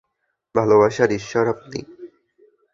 ভালোবাসার ঈশ্বর আপনি!